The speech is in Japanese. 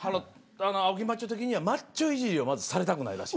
青木マッチョ的にはマッチョいじりをまずされたくないらしい。